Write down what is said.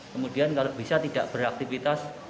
kemudian kalau bisa tidak beraktivitas